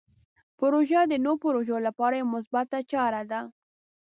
پروژه د نوو پروژو لپاره یوه مثبته چاره ده.